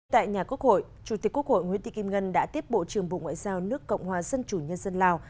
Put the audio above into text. tại nhà quốc hội chủ tịch quốc hội nguyễn thị kim ngân đã tiếp bộ trưởng bộ ngoại giao nước cộng hòa dân chủ nhân dân lào